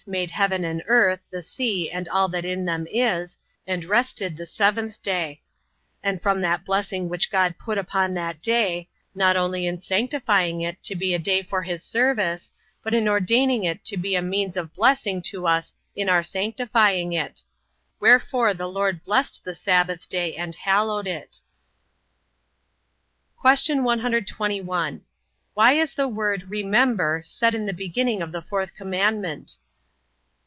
made heaven and earth, the sea, and all that in them is, and rested the seventh day: and from that blessing which God put upon that day, not only in sanctifying it to be a day for his service, but in ordaining it to be a means of blessing to us in our sanctifying it; Wherefore the LORD blessed the sabbath day, and hallowed it. Q. 121. Why is the word Remember set in the beginning of the fourth commandment?